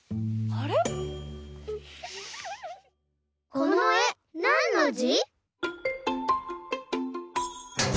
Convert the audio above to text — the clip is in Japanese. このえなんのじ？